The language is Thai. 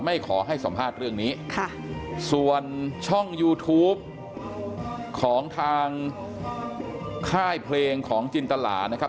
ขอให้สัมภาษณ์เรื่องนี้ค่ะส่วนช่องยูทูปของทางค่ายเพลงของจินตลานะครับ